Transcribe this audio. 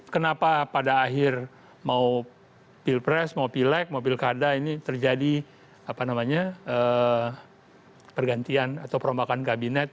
kenapa pada akhir mau pilpres mau pilek mau pilkada ini terjadi pergantian atau perombakan kabinet